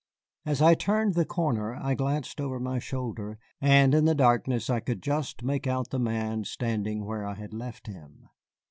As I turned the corner I glanced over my shoulder, and in the darkness I could just make out the man standing where I had left him.